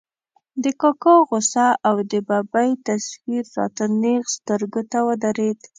د کاکا غوسه او د ببۍ تصویر را ته نېغ سترګو ته ودرېد.